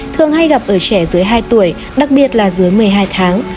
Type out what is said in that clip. thường hay gặp ở trẻ dưới hai tuổi đặc biệt là dưới một mươi hai tháng